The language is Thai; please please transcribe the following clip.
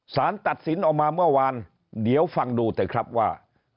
สารตัดสินออกมาเมื่อวานเดี๋ยวฟังดูเถอะครับว่า